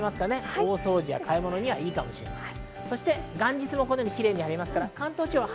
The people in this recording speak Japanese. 大掃除や買い物にいいかもしれません。